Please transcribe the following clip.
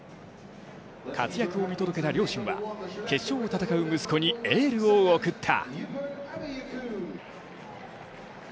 活躍を見届けた両親は決勝を戦う息子にエールを送った。